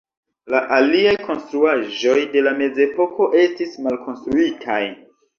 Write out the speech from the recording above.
La aliaj konstruaĵoj de la Mezepoko estis malkonstruitaj.